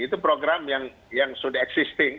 itu program yang sudah existing